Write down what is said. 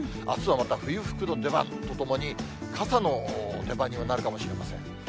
あすはまた冬服の出番とともに、傘の出番にもなるかもしれません。